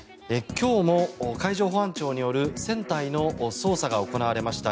今日も海上保安庁による船体の捜索が行われました